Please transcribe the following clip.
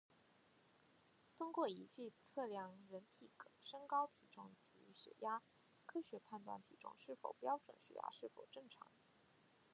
通过仪器测量人体身高、体重及血压，科学判断体重是否标准、血压是否正常